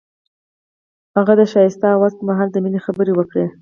هغه د ښایسته اواز پر مهال د مینې خبرې وکړې.